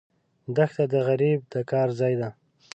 دښته د غریب د کار ځای ده.